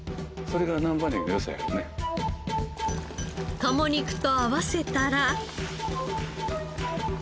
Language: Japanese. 鴨肉と合わせたら。